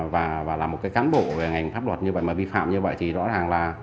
và là một cái cán bộ về ngành pháp luật như vậy mà vi phạm như vậy thì rõ ràng là